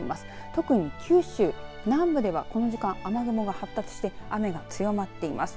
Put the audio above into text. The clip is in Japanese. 特に九州南部ではこの時間、雨雲が発達して雨が強まっています。